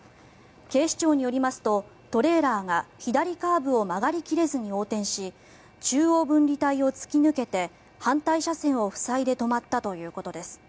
警視庁によりますとトレーラーが左カーブを曲がり切れずに横転し中央分離帯を突き抜けて反対車線を塞いで止まったということです。